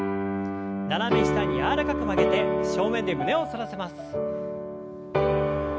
斜め下に柔らかく曲げて正面で胸を反らせます。